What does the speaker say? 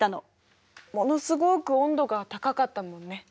ものすごく温度が高かったもんね。